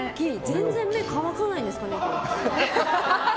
全然目乾かないんですかね。